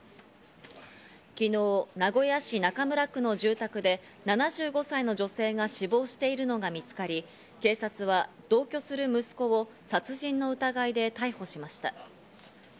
昨日、名古屋市中村区の住宅で７５歳の女性が死亡しているのが見つかり、警察は同居する息子を殺人の疑いで逮捕しました。